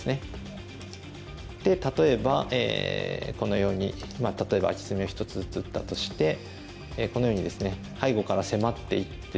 で例えばこのように例えばアキ隅を１つずつ打ったとしてこのようにですね背後から迫っていってですね